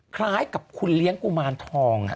คล้ายกับคุณเลี้ยงกุมารทอง